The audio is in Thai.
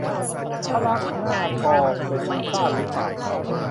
พระลักษมณ์หน้าทอง เป็นดีซ่านหรือเปล่า